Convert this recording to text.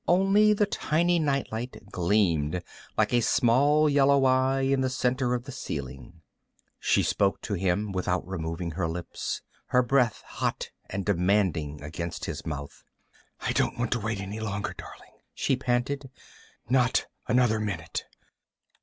Only the tiny nightlight gleamed like a small, yellow eye in the center of the ceiling. She spoke to him, without removing her lips, her breath hot and demanding against his mouth. "I don't want to wait any longer, darling," she panted, "not another minute."